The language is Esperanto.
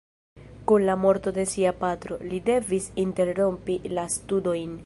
Kun la morto de sia patro, li devis interrompi la studojn.